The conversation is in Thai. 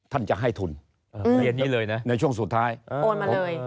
ท่านจะให้ทุนเรียนนี้เลยนะในช่วงสุดท้ายโอนมาเลย